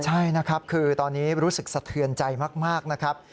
ใช่นะครับคือตอนนี้รู้สึกสะเทือนใจมากนะครับ